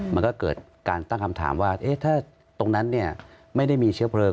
มันก็เกิดการตั้งคำถามว่าถ้าตรงนั้นไม่ได้มีเชื้อเพลิง